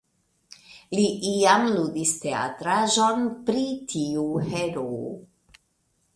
Li iam ludis teatraĵon pri tiu heroo.